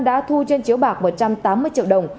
đã thu trên chiếu bạc một trăm tám mươi triệu đồng